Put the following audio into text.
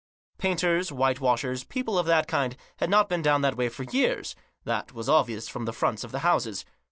Painters, whitewashes, people of that kind, had not been down that way for years ; that was obvious from the fronts of the houses.